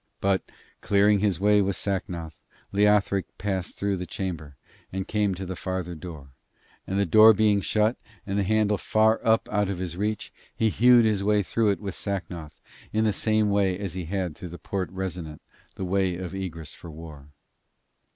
But clearing his way with Sacnoth, Leothric passed through the chamber, and came to the farther door; and the door being shut, and the handle far up out of his reach, he hewed his way through it with Sacnoth in the same way as he had through the Porte Resonant, the Way of Egress for War.